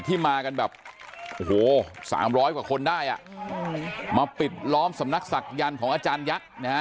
ที่มากันแบบโอ้โหสามร้อยกว่าคนได้มาปิดล้อมสำนักศักดิ์ยันต์ของอาจารย์ยักษ์